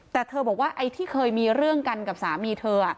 แต่เธอบอกว่าไอ้ที่เคยมีเรื่องกันกับสามีเธอ